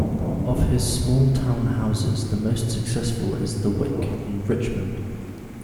Of his small town houses, the most successful is The Wick, in Richmond.